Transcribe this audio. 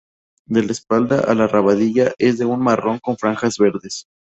De la espalda a la rabadilla es de un marrón con franjas verdes.